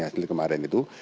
hasilnya kemarin itu